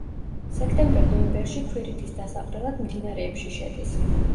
სექტემბერ-ნოემბერში ქვირითის დასაყრელად მდინარეებში შედის.